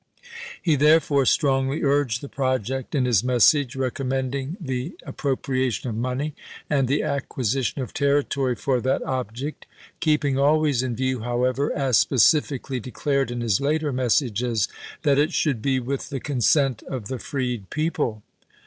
He therefore strongly urged the project in his message, recommending the appro priation of money and the acquisition of territory for that object, keeping always in view, however, as specifically declared in his later messages, that it should be with the consent of the freed people.